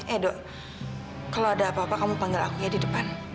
eh dok kalau ada apa apa kamu panggil aku ya di depan